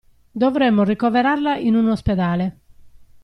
Dovemmo ricoverarla in un ospedale.